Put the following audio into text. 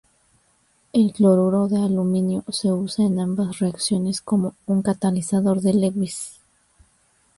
El cloruro de aluminio se usa en ambas reacciones como un catalizador de Lewis.